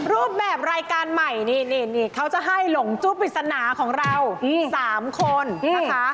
รูปแบบรายการใหม่นี่เขาจะให้หลงจุปริศนาของเรา๓คนนะคะ